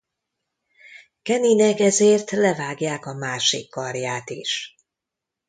Kennynek ezért levágják a másik karját is.